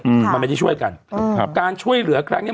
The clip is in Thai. อืมมันไม่ได้ช่วยกันอืมครับการช่วยเหลือครั้งเนี้ย